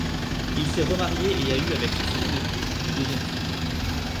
Il s'est remarié et a eu avec sa seconde épouse une deuxième fille.